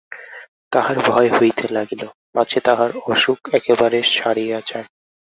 তাঁহার ভয় হইতে লাগিল, পাছে তাঁহার অসুখ একেবারে সারিয়া যায়।